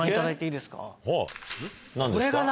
何ですか？